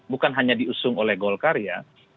bukan hanya diusung oleh golkar ya